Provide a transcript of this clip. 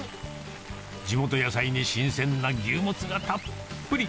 地元野菜に新鮮な牛もつがたっぷり。